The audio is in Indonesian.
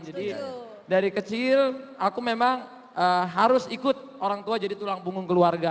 jadi dari kecil aku memang harus ikut orang tua jadi tulang bungung keluarga